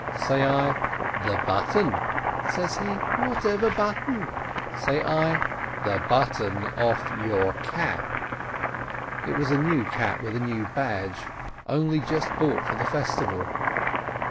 Say I, "The button." Says he, "Whatever button?" Say I, "The button off your cap." It was a new cap with a new badge, only just bought for the festival